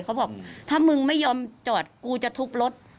เขาบอกถ้ามึงไม่ยอมจอดกูจะทุบรถ